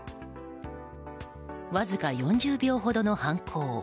わずか４０秒ほどの犯行。